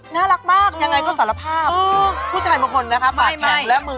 อ๋อน่ารักมากยังไงก็สารภาพคือ